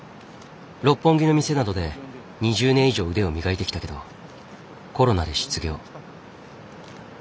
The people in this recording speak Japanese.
六本木の店などで２０年以上腕を磨いてきたけどコロナで失業。